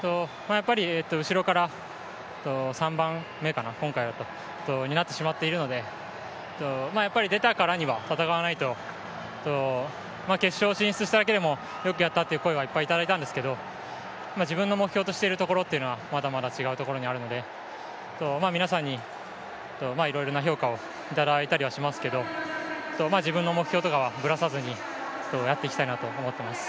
後ろから３番目になってしまっているので出たからには戦わないと決勝進出しただけでもよくやったという声はいっぱいいただきましたが自分の目標としているところというのは、まだまだ違うところにあるので皆さんにいろいろな評価をいただいたりしますが、自分の目標とかはぶらさずにやっていきたいなと思っています。